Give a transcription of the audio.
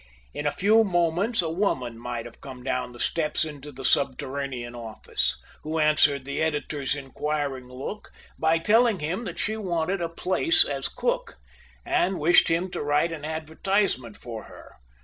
In a few moments a woman might have come down the steps into the subterranean office, who answered the editor's inquiring look by telling him that she wanted a place as cook, and wished him to write an advertisement for her.